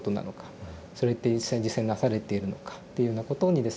それって実際に実践なされているのかっていうようなことにですね